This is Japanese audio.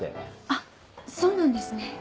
あっそうなんですね。